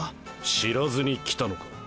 知らずに来たのか？